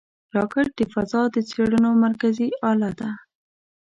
راکټ د فضا د څېړنو مرکزي اله ده